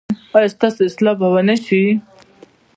ایا ستاسو اصلاح به و نه شي؟